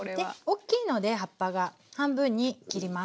おっきいので葉っぱが半分に切ります。